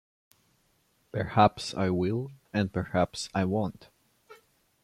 Perhaps I will, and perhaps I won't.